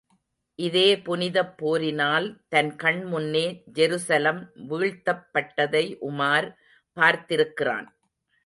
இதே புனிதப் போரினால், தன் கண் முன்னே ஜெருசலம் வீழ்த்தப் பட்டதை உமார் பார்த்திருக்கிறான்.